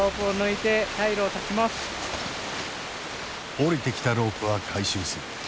降りてきたロープは回収する。